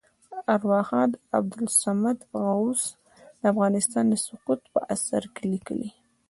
ارواښاد عبدالصمد غوث د افغانستان د سقوط په اثر کې لیکلي.